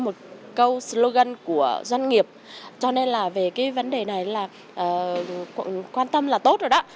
một câu slogan của doanh nghiệp cho nên là về cái vấn đề này là quan tâm là tốt rồi đó